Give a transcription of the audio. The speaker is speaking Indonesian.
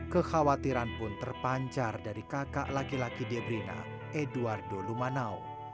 kekhawatiran pun terpancar dari kakak laki laki debrina edwardo lumanau